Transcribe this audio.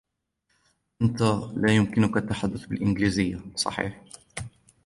أنت لا يمكنك تحدث الإنجليزية ، صحيح ؟